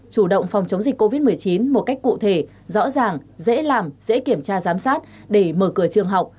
chủ động phòng chống dịch covid một mươi chín một cách cụ thể rõ ràng dễ làm dễ kiểm tra giám sát để mở cửa trường học